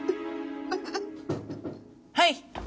はい。